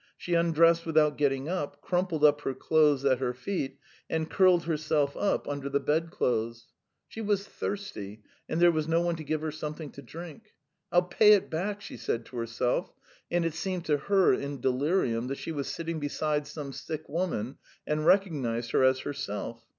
She undressed without getting up, crumpled up her clothes at her feet, and curled herself up under the bedclothes. She was thirsty, and there was no one to give her something to drink. "I'll pay it back!" she said to herself, and it seemed to her in delirium that she was sitting beside some sick woman, and recognised her as herself.